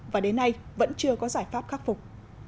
và đến nay vẫn chưa có giải pháp khắc phục